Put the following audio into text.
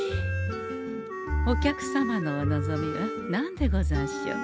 お客様のお望みは何でござんしょう？